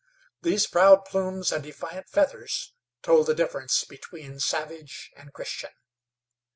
These proud plumes and defiant feathers told the difference between savage and Christian.